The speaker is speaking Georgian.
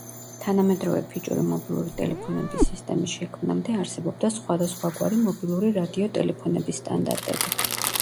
თანამედროვე ფიჭური მობილური ტელეფონების სისტემის შექმნამდე არსებობდა სხვადასხვაგვარი მობილური რადიო ტელეფონების სტანდარტები.